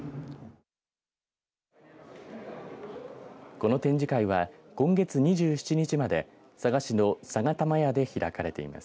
この展示会は、今月２７日まで佐賀市の佐賀玉屋で開かれています。